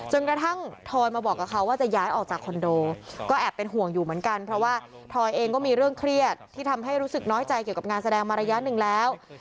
กระทั่งทอยมาบอกกับเขาว่าจะย้ายออกจากคอนโดก็แอบเป็นห่วงอยู่เหมือนกันเพราะว่าทอยเองก็มีเรื่องเครียดที่ทำให้รู้สึกน้อยใจเกี่ยวกับงานแสดงมาระยะหนึ่งแล้ว